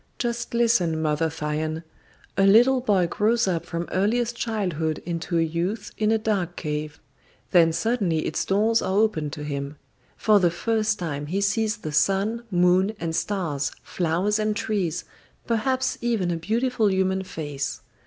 "Just listen, Mother Thyone. A little boy grows up from earliest childhood into a youth in a dark cave. Then suddenly its doors are opened to him. For the first time he sees the sun, moon, and stars, flowers and trees, perhaps even a beautiful human face.